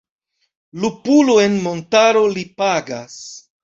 Lupulo en montaro Li pagas!